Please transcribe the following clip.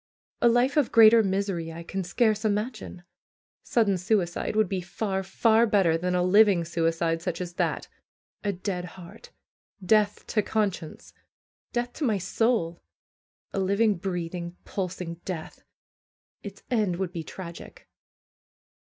A life of greater misery I can scarce imagine. Sudden suicide would be far, far better than a living suicide such as that. A dead heart! Death to conscience ! Death to my soul ! A living, breathing, pulsing death! Its end would be tragic.